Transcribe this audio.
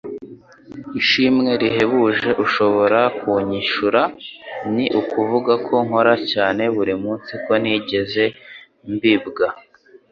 Ishimwe rihebuje ushobora kunyishura ni ukuvuga ko nkora cyane buri munsi, ko ntigeze mbibwa.”